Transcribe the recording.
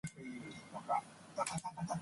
He was the last Norwegian fatality of the battle.